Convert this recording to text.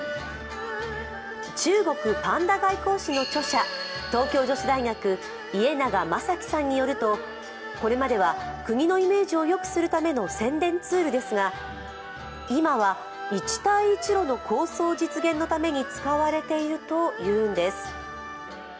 「中国パンダ外交史」の著者、東京女子大学家永真幸さんによるとこれまでは国のイメージをよくするための宣伝ツールでしたが今は一帯一路の構想実現のために使われているというんです。